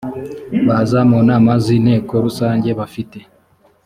baza mu nama z inteko rusange bafite